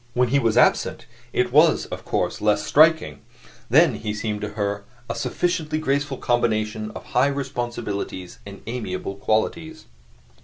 When he was absent it was, of course, less striking; then he seemed to her a sufficiently graceful combination of high responsibilities and amiable qualities.